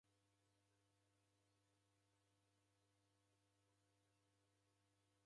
Kichuku chaw'o ni cha w'andu w'a chofi.